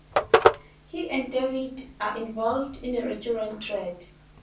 He and David are involved in the restaurant trade.